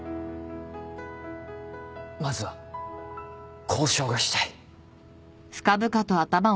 まずは交渉がしたい。